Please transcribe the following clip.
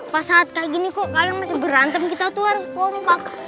pas saat kayak gini kok kalian masih berantem kita tuh harus kompak